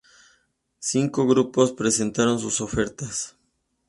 Cinco grupos prestaron sus ofertas.